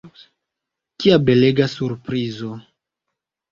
Kia belega surprizo!